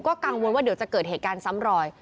กังวลว่าเดี๋ยวจะเกิดเหตุการณ์ซ้ำรอย